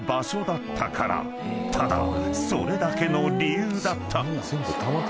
［ただそれだけの理由だった］